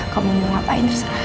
kamu mau ngapain terserah